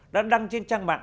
đã đăng trên trang mạng